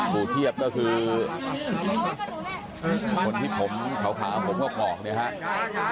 ผู้เทียบก็คือคนที่ผมเขาขาวผมก็บอกนะครับ